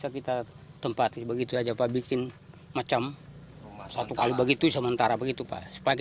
kita tempati begitu saja pak bikin macam satu kali begitu sementara begitu pak sebagai